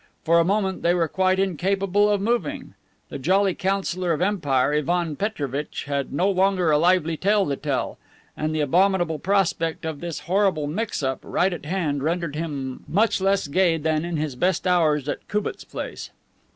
For a moment they were quite incapable of moving. The jolly Councilor of Empire, Ivan Petrovitch, had no longer a lively tale to tell, and the abominable prospect of "this horrible mix up" right at hand rendered him much less gay than in his best hours at Cubat's place.